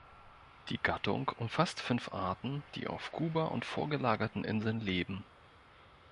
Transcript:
Die Gattung umfasst fünf Arten, die auf Kuba und vorgelagerten Inseln leben.